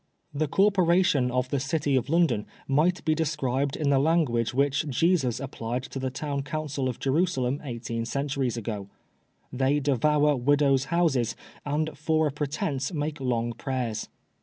The Corporation of the City of London might be described in the language which Jesus applied to the Town Council of Jerusalem eighteen centuries ago— " They devour widow's houses, and for a pretence make long prayers."